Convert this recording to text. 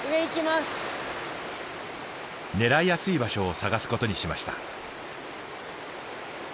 狙いやすい場所を探すことにしました。